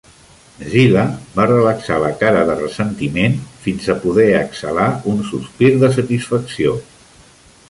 Zilla va relaxar la cara de ressentiment fins a poder exhalar un sospir de satisfacció.